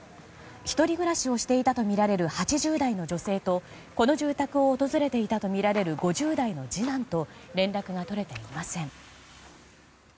１人暮らしをしていたとみられる８０代の女性とこの住宅を訪れていたとみられる５０代の次男と連絡が取れていません。